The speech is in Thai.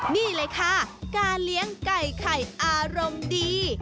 นี่เลยค่ะการเลี้ยงไก่ไข่อารมณ์ดี